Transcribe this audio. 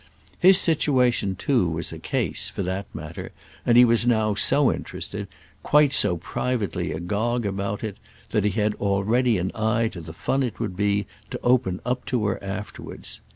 His situation too was a case, for that matter, and he was now so interested, quite so privately agog, about it, that he had already an eye to the fun it would be to open up to her afterwards.